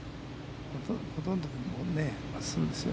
ほとんど、まっすぐでしたよ。